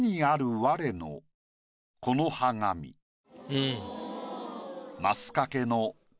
うん。